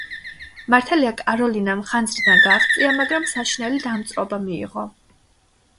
მართალია კაროლინამ ხანძრიდან გააღწია, მაგრამ საშინელი დამწვრობა მიიღო.